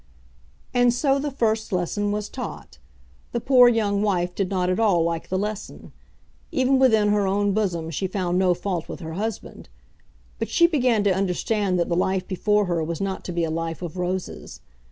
And so the first lesson was taught. The poor young wife did not at all like the lesson. Even within her own bosom she found no fault with her husband. But she began to understand that the life before her was not to be a life of roses.